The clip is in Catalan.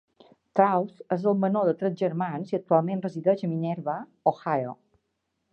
Trauth és el menor de tres germans i actualment resideix a Minerva, Ohio.